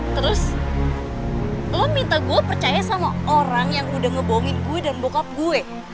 terus lo minta gue percaya sama orang yang udah ngebongin gue dan bockup gue